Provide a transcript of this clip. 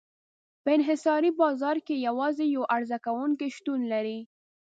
په انحصاري بازار کې یوازې یو عرضه کوونکی شتون لري.